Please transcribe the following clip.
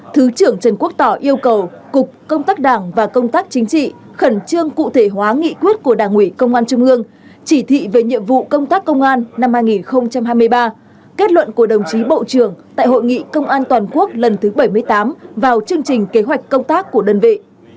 thứ trưởng trần quốc tỏ yêu cầu cục công tác đảng và công tác chính trị khẩn trương cụ thể hóa nghị quyết của đảng ủy công an trung ương chỉ thị về nhiệm vụ công tác công an năm hai nghìn hai mươi ba kết luận của đồng chí bộ trưởng tại hội nghị công an toàn quốc lần thứ bảy mươi tám vào chương trình kế hoạch công tác của đơn vị